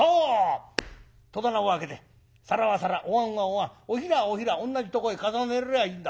戸棚を開けて皿は皿おわんはおわんおひらはおひらおんなじとこへ重ねりゃいいんだ。